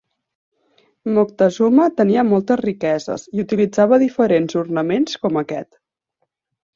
Moctezuma tenia moltes riqueses i utilitzava diferents ornaments com aquest.